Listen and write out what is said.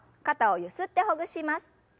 肩をゆすってほぐします。